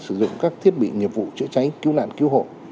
sử dụng các thiết bị nghiệp vụ chữa cháy cứu nạn cứu hộ